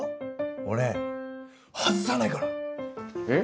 俺外さないから」「えっ？」